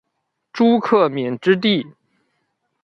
朱克敏之弟。